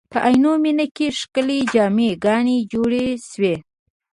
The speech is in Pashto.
په عینومېنه کې ښکلې جامع ګانې جوړې شوې.